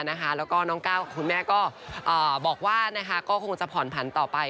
แล้วก็น้องก้าวกับคุณแม่ก็บอกว่าก็คงจะผ่อนผันต่อไป